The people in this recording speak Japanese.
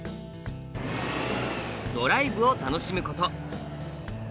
ドライブを楽しむこと。